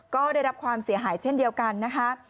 ก็ได้รับความเสียหายเช่นเดียวกันนะคะ